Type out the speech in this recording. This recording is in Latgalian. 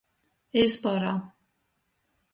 Izpora.